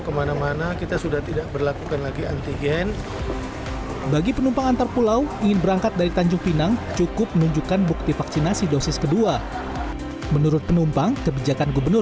kepulauan riau ansar ahmad resmi mencabut tes antigen sebagai syarat perjalanan antar pulau